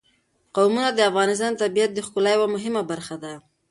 قومونه د افغانستان د طبیعت د ښکلا یوه مهمه برخه ده.